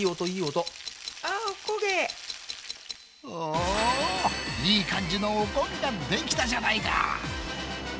おいい感じのおこげができたじゃないか！